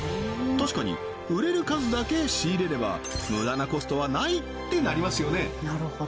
確かに売れる数だけ仕入れれば無駄なコストはないってなりますよね